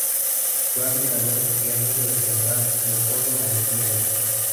Fue admirador y amigo del general Leopoldo Galtieri.